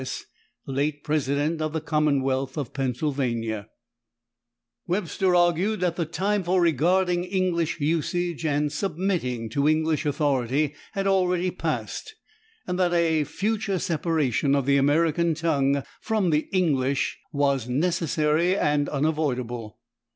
S., late President of the Commonwealth of Pennsylvania," Webster argued that the time for regarding English usage and submitting to English authority had already passed, and that "a future separation of the American tongue from the English" was "necessary and unavoidable."